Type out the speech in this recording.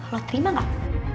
lo terima gak